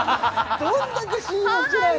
どんだけ信用してないの？